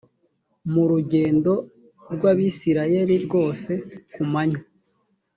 mu rugendo rw abisirayeli rwose ku manywa